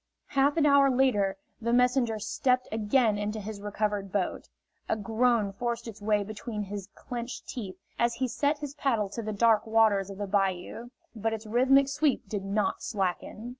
Half an hour later the messenger stepped again into his recovered boat. A groan forced its way between his clenched teeth as he set his paddle to the dark waters of the bayou, but its rhythmic sweep did not slacken.